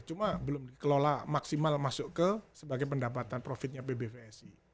cuma belum dikelola maksimal masuk ke sebagai pendapatan profitnya pbvsi